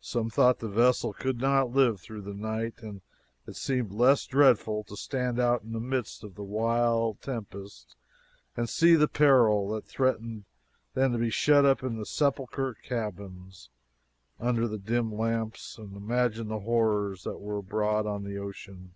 Some thought the vessel could not live through the night, and it seemed less dreadful to stand out in the midst of the wild tempest and see the peril that threatened than to be shut up in the sepulchral cabins, under the dim lamps, and imagine the horrors that were abroad on the ocean.